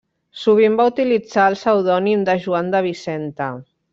Sovint va utilitzar el pseudònim de Joan de Vicenta.